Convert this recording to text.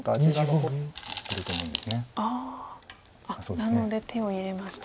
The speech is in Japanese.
なので手を入れました。